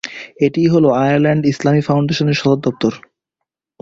এটিই হল আয়ারল্যান্ড ইসলামী ফাউন্ডেশনের সদর দফতর।